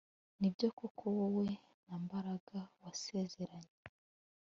Nibyo koko wowe na Mbaraga wasezeranye